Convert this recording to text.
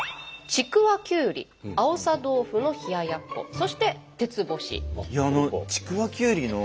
ちくわきゅうりあおさ豆腐の冷ややっこそして鉄干し。